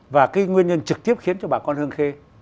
và cái nguyên nhân trực tiếp khiến cho bà con hương khê